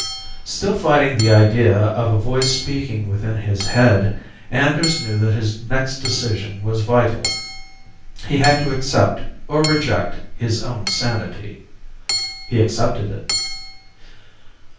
Still fighting the idea of a voice speaking within his head, Anders knew that his next decision was vital. He had to accept or reject his own sanity. He accepted it.